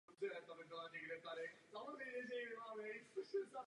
Zadruhé, region je přiměřenou úrovní partnerství pro politiku regionálního rozvoje.